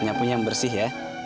nyapu yang bersih ya